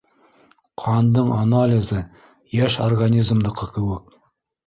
Ҡандың анализы - йәш организмдыҡы кеүек.